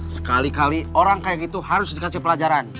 sekali kali orang kayak gitu harus dikasih pelajaran